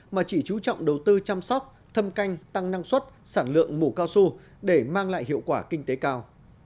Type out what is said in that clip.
mà chỉ chú trọng đầu tư chăm sóc thâm canh tăng năng suất sản lượng mù cao su để mang lại hiệu quả kinh tế cao